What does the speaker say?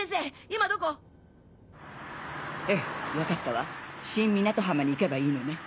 今どこ？ええ分かったわ新港浜に行けばいいのね？